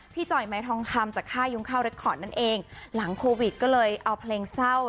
จ่อยไม้ทองคำจากค่ายุงข้าวเรคคอร์ดนั่นเองหลังโควิดก็เลยเอาเพลงเศร้า